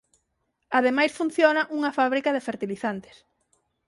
Ademais funciona unha fábrica de fertilizantes.